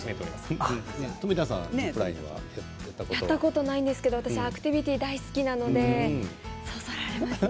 ジップラインはやったことないですけど私アクティビティー大好きなのでそそられますね。